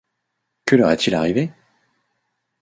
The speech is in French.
Que leur est-il arrivé?...